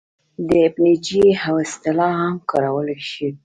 د این جي او اصطلاح هم کارولی شو.